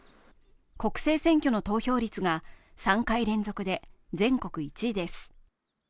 国政選挙の投票率が３回連続で全国１位です。